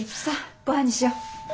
さあごはんにしよ。